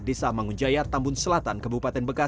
desa mangunjaya tambun selatan kebupaten desa burangkeng